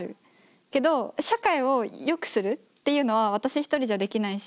けど社会をよくするっていうのは私一人じゃできないし。